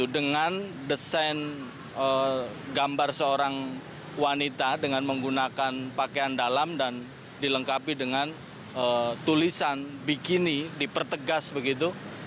dengan desain gambar seorang wanita dengan menggunakan pakaian dalam dan dilengkapi dengan tulisan bikini dipertegas begitu